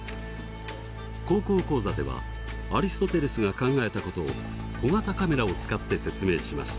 「高校講座」ではアリストテレスが考えたことを小型カメラを使って説明しました。